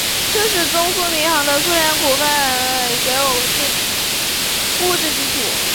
这是中苏民航的苏联股份能够已交给我国自力经营的物质基础。